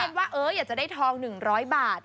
เป็นเลนว่าเอออยากจะได้ทอง๑๐๐บาท